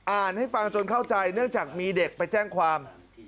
อ่านให้ฟังจนเข้าใจเนื่องจากมีเด็กไปแจ้งความ